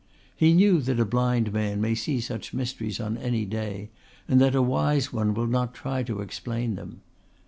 He knew that a blind man may see such mysteries on any day and that a wise one will not try to explain them.